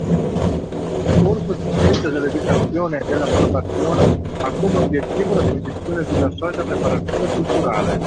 Un corso di scienze dell'Educazione e della Formazione ha come obbiettivo l'acquisizione di una solida preparazione culturale